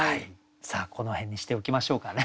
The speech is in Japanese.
この辺にしておきましょうかね。